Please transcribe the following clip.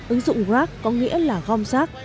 ứng dụng rac có nghĩa là gom giác